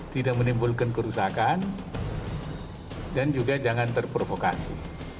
tidak menimbulkan kerusakan dan juga jangan terprovokasi